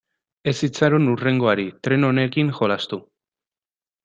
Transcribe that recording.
Ez itxaron hurrengoari, tren honekin jolastu.